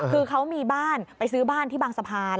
คือเขามีบ้านไปซื้อบ้านที่บางสะพาน